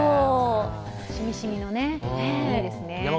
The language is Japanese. しみしみのね、いいですね。